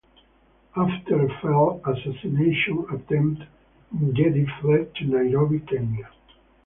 After a failed assassination attempt, Gedi fled to Nairobi, Kenya.